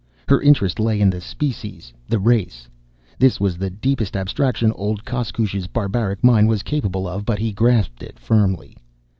Her interest lay in the species, the race. This was the deepest abstraction old Koskoosh's barbaric mind was capable of, but he grasped it firmly.